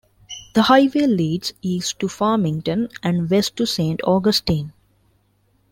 The highway leads east to Farmington and west to Saint Augustine.